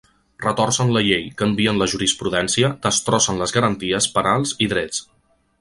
Retorcen la llei, canvien la jurisprudència, destrossen les garanties penals i drets.